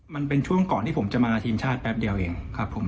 มันเป็นช่วงก่อนที่ผมจะมาทีมชาติแป๊บเดียวเองครับผม